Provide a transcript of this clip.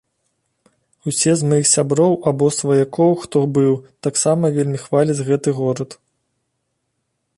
Усе з маіх сяброў або сваякоў, хто быў, таксама вельмі хваляць гэты горад.